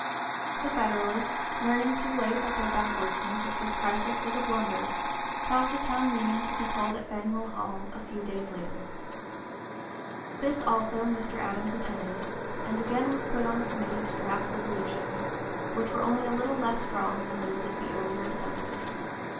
The Federalists, learning too late that their backwardness at this crisis was a blunder, caused a town meeting to be called at Faneuil Hall a few days later. This also (p. 052) Mr. Adams attended, and again was put on the committee to draft resolutions, which were only a little less strong than those of the earlier assemblage.